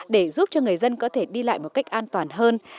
để giúp cho người dân có thể đi lại một cách an toàn hơn